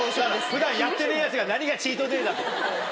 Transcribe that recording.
普段やってねえヤツが何がチートデイだと。